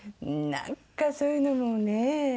なんかそういうのもねえ。